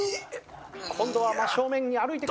今度は真正面に歩いてくる。